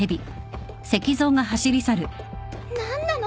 何なの？